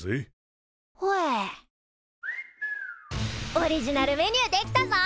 オリジナルメニュー出来たぞ。